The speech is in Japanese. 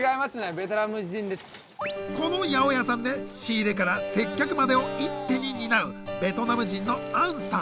この八百屋さんで仕入れから接客までを一手に担うベトナム人のアンさん。